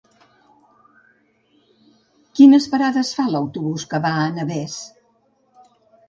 Quines parades fa l'autobús que va a Navès?